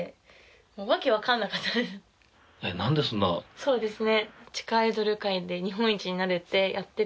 そうですね。